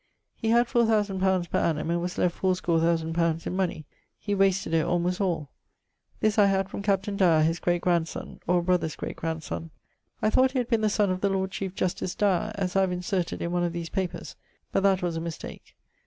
He had four thousand pounds per annum, and was left fourscore thousand pounds in money; he wasted it almost all. This I had from captaine Dyer, his great grandsonne, or brother's great grandson. I thought he had been the sonne of the Lord Chiefe Justice Dyer, as I have inserted in one of these papers, but that was a mistake.